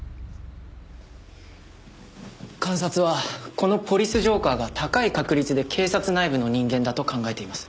監察はこの「ポリス浄化ぁ」が高い確率で警察内部の人間だと考えています。